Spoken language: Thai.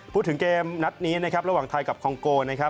พูดถึงเกมนัดนี้ระหว่างไทยกับคองโก